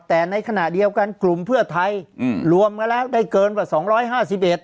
แต่ในขณะเดียวกันกลุ่มเพื่อไทยรวมมาแล้วได้เกินกว่า๒๕๑